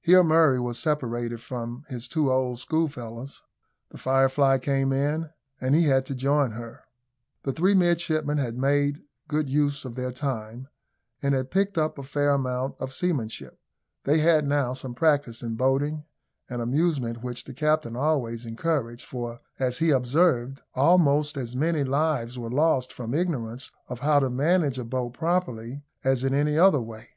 Here Murray was separated from his two old schoolfellows. The Firefly came in, and he had to join her. The three midshipmen had made good use of their time, and had picked up a fair amount of seamanship. They had now some practice in boating, an amusement which the captain always encouraged; for, as he observed, almost as many lives were lost from ignorance of how to manage a boat properly, as in any other way.